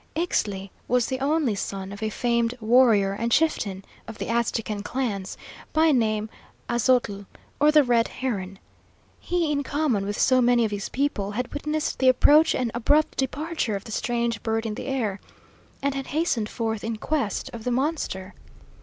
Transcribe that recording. Ixtli was the only son of a famed warrior and chieftain of the Aztecan clans, by name Aztotl, or the Red Heron. He, in common with so many of his people, had witnessed the approach and abrupt departure of the strange bird in the air, and had hastened forth in quest of the monster.